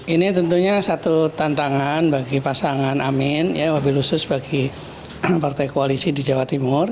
ini tentunya satu tantangan bagi pasangan amin wabil khusus bagi partai koalisi di jawa timur